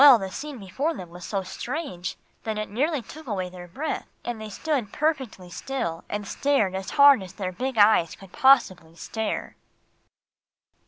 the scene before them was so strange that it nearly took away their breath, and they stood perfectly still and stared as hard as their big eyes could possibly stare.